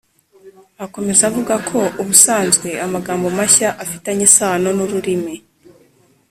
akomeza avuga ko ubusanzwe amagambo mashya afitanye isano n’ururimi